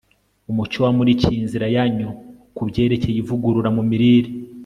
umucyo wamurikiye inzira yanyu ku byerekeye ivugurura mu mirire